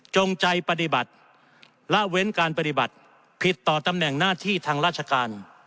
จงใจปฏิบัติละเว้นการปฏิบัติผิดต่อตำแหน่งหน้าที่ทางราชการ